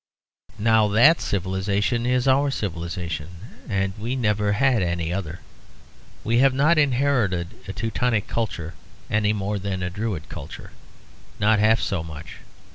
Now that civilisation is our civilisation, and we never had any other. We have not inherited a Teutonic culture any more than a Druid culture; not half so much.